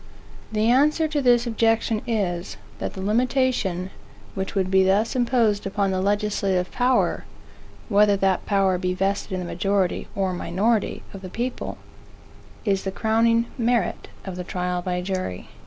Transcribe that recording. The answer to this objection is, that the limitation, which would be thus imposed upon the legislative power, (whether that power be vested in the majority, or minority, of the people,) is the crowning merit of the trial by jury.